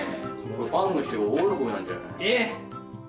ファンの人が大喜びなんじゃないえっ？